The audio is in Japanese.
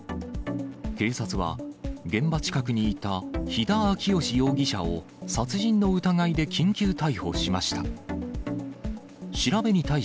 警察は、現場近くにいた、肥田昭吉容疑者を、殺人の疑いで緊急逮捕しました。